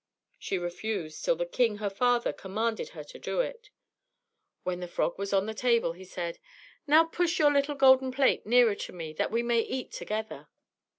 She refused, till the king, her father, commanded her to do it. When the frog was on the table, he said, "Now push your little golden plate nearer to me, that we may eat together."